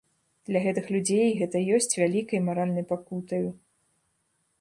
Для гэтых людзей гэта ёсць вялікай маральнай пакутаю.